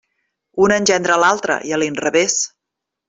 Una engendra l'altra, i a l'inrevés.